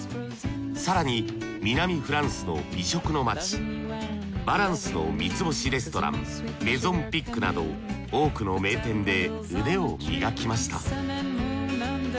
更に南フランスの美食の街ヴァランスの三つ星レストランメゾン・ピックなど多くの名店で腕を磨きました。